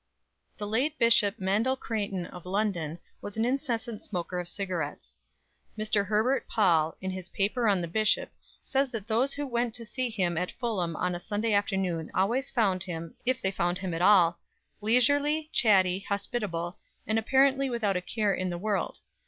The late Bishop Mandell Creighton, of London, was an incessant smoker of cigarettes. Mr. Herbert Paul, in his paper on the Bishop, says that those who went to see him at Fulham on a Sunday afternoon always found him, if they found him at all, "leisurely, chatty, hospitable, and apparently without a care in the world.